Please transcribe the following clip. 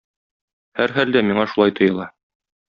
Һәрхәлдә, миңа шулай тоела.